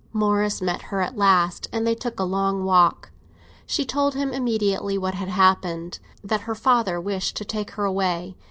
Morris met her at last, and they took a long walk. She told him immediately what had happened—that her father wished to take her away.